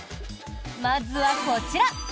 まずはこちら。